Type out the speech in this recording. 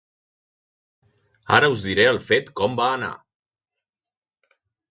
Ara us diré el fet com va anar.